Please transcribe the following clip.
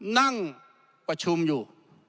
นั่งประชุมอยู่